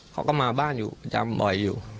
เขาก็มาบ้านอยู่ประจำบ่อยอยู่